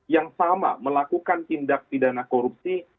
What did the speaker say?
yang sama melakukan tindak pidana korupsi